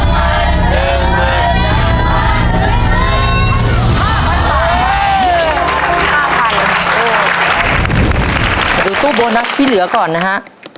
มาดูตู้โบนัสที่เหลือก่อนนะฮะ